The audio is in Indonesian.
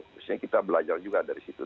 maksudnya kita belajar juga dari situ